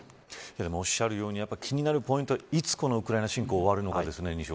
おっしゃるように気になるポイントはいつこのウクライナ侵攻が終わるのかですね。